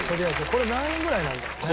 これ何位ぐらいなんだろうね？